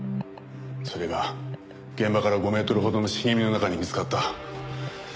それが現場から５メートルほどの茂みの中で見つかった。